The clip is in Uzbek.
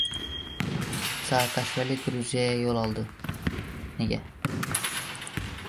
Saakashvili Gruziyaga yo‘l oldi. Nega?